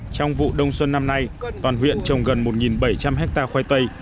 trong vụ đông xuân năm nay toàn huyện trồng gần một bảy trăm linh hectare khoai tây